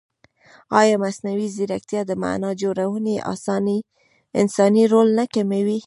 ایا مصنوعي ځیرکتیا د معنا جوړونې انساني رول نه کموي؟